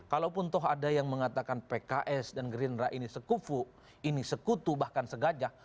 kalaupun toh ada yang mengatakan pks dan gerindra ini sekufu ini sekutu bahkan segajah